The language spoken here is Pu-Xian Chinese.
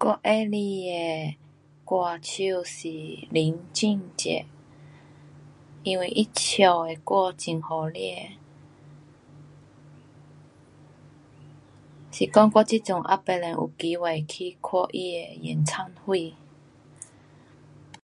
我喜欢的歌手是林俊杰，因为他唱的歌很好听。是讲我这阵还未有有机会去看他的演唱会。